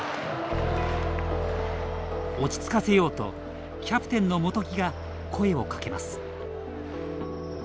落ち着かせようとキャプテンの元木が声をかけます。